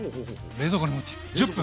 冷蔵庫に持っていく１０分。